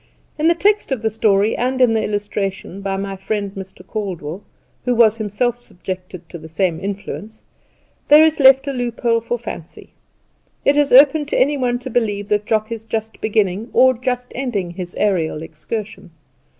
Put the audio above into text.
In the text of the story and in the illustrations by my friend Mr. Caldwell (who was himself subjected to the same influence) there is left a loophole for fancy: it is open to any one to believe that Jock is just beginning or just ending his aerial excursion.